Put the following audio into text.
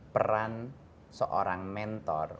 peran seorang mentor